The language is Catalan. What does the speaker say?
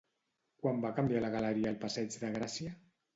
Quan va canviar la galeria al passeig de Gràcia?